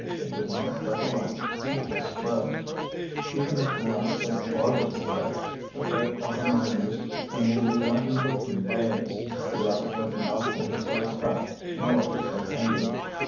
They could not recollect such a spread. Even at the last St. Barbara's Day, the fete of the miners when they do nothing for three days, the rabbit had not been so fat nor so tender.